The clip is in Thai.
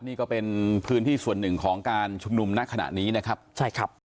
นี่ก็เป็นพื้นที่ส่วนหนึ่งของการชุมนุมณขณะนี้นะครับใช่ครับ